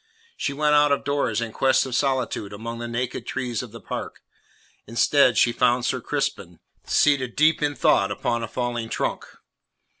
She went out of doors in quest of solitude among the naked trees of the park; instead she found Sir Crispin, seated deep in thought upon a fallen trunk.